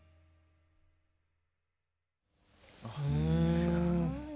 すごい。